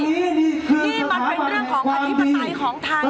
นี่มันเป็นเรื่องของอธิปไตยของทาง